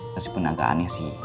meskipun agak aneh sih